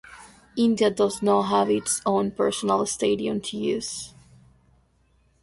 India does not have its own personal stadium to use.